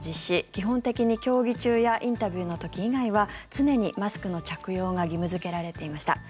基本的に競技中やインタビューの時以外は常にマスクの着用が義務付けられていました。